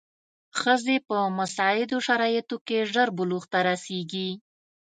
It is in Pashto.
ښځې په مساعدو شرایطو کې ژر بلوغ ته رسېږي.